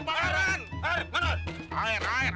bangun woy kebakaran kebakaran